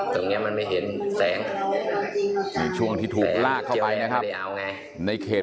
ตรงนี้มันไม่เห็นแสงคือช่วงที่ถูกลากเข้าไปนะครับในเขต